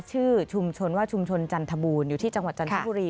ชื่อชุมชนว่าชุมชนจันทบูรณ์อยู่ที่จังหวัดจันทบุรี